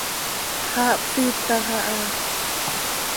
Xaa hpsiitax aha.